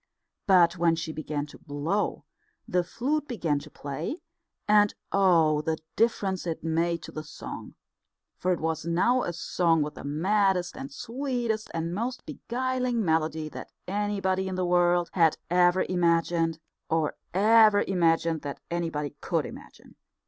But when she began to blow, the flute began to play; and oh, the difference it made to the song! For it was now a song with the maddest and sweetest and most beguiling melody that anybody in the world had ever imagined, or ever imagined that anybody could imagine.